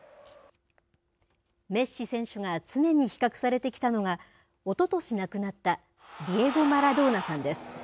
メッシ選手が常に比較されてきたのが、おととし亡くなったディエゴ・マラドーナさんです。